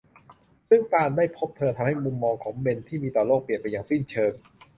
ซึ่งการได้พบเธอทำให้มุมมองของเบนที่มีต่อโลกเปลี่ยนไปอย่างสิ้นเชิง